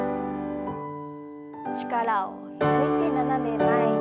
力を抜いて斜め前に。